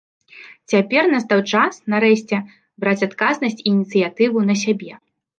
Цяпер настаў час, нарэшце, браць адказнасць і ініцыятыву на сябе.